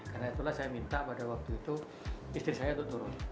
karena itulah saya minta pada waktu itu istri saya itu turun